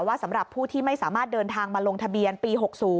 สำหรับผู้ที่ไม่สามารถเดินทางมาลงทะเบียนปี๖๐